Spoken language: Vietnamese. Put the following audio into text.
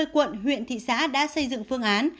ba mươi quận huyện thị xã đã xây dựng phương án